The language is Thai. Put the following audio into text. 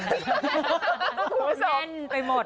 มันแม่นไปหมด